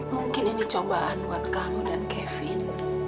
mungkin ini cobaan buat kamu dan kevin